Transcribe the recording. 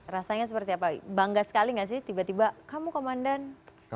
rasanya seperti apa bangga sekali gak sih tiba tiba kamu komandan